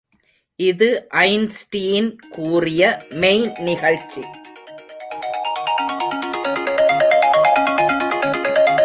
இது ஐன்ஸ்டீன் கூறிய மெய்ந்நிகழ்ச்சி.